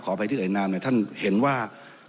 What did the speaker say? ขออภัยที่ไอนามท่านเห็นว่า